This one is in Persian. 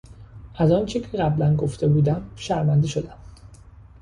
از آنچه که قبلا گفته بودم شرمنده شدم.